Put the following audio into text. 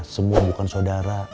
semua bukan saudara